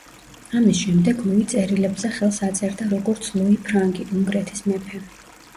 ამის შემდეგ, ლუი წერილებზე ხელს აწერდა როგორც „ლუი ფრანგი, უნგრეთის მეფე“.